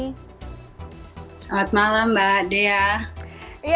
selamat malam mbak dea